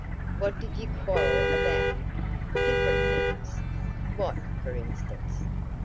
"What did you quarrel about?" "Different things." "What, for instance?"